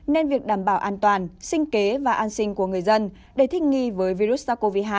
nên việc đảm bảo an toàn sinh kế và an sinh của người dân để thích nghi với virus sars cov hai